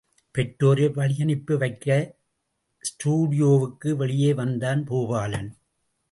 பெற்றோரை வழியனுப்பி வைக்க ஸ்டுடியோவுக்கு வெளியே வந்தான் பூபாலன்.